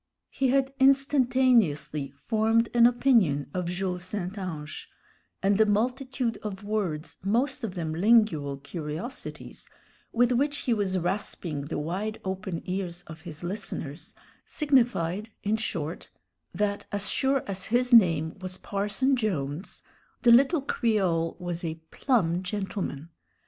He had instantaneously formed an opinion of Jules St. Ange, and the multitude of words, most of them lingual curiosities, with which he was rasping the wide open ears of his listeners, signified, in short, that as sure as his name was Parson Jones, the little Creole was a "plum gentleman."